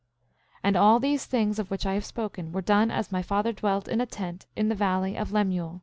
10:16 And all these things, of which I have spoken, were done as my father dwelt in a tent, in the valley of Lemuel.